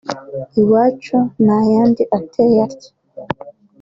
“iwacu” n’ayandi ateye atya